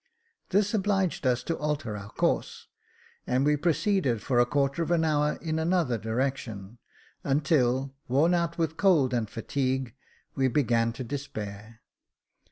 This obliged us to alter our course, and we Jacob Faithful 175 proceeded for a quarter of an hour in another direction, until, worn out with cold and fatigue, we began to despair.